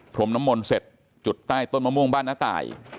พรมน้ำมนต์เสร็จจุดใต้ต้นมะม่วงบ้านน้าตาย